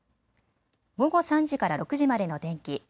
午後３時から６時までの天気。